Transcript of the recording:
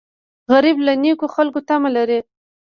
غریب له نیکو خلکو تمه لري